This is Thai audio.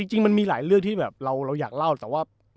จริงมันมีหลายเรื่องที่แบบเราอยากเล่าแต่ว่า